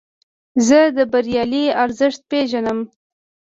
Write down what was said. زه د خبریالۍ ارزښت پېژنم.